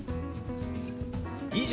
「以上」。